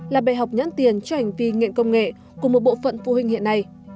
là bệ học nhãn tiền cho hành vi nghiện công nghệ của một bộ phận phụ huynh hiện nay